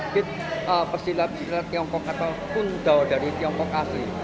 di tiongkok atau kundal dari tiongkok asli